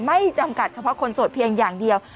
ไม่จำกัดเฉพาะคนโสดเพียงอย่างเดียว